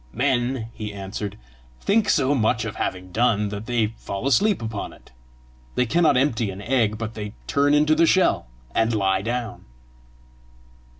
"Men," he answered, "think so much of having done, that they fall asleep upon it. They cannot empty an egg but they turn into the shell, and lie down!"